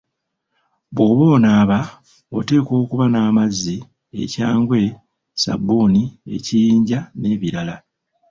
Bw'oba onaaba oteekwa okuba n'amazzi, ekyangwe, ssabbuni, ekiyinja n'ebirala.